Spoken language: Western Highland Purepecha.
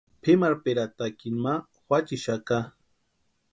Pʼimarhperatakini ma juachixaka.